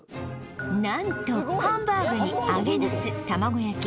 何とハンバーグに揚げナス卵焼き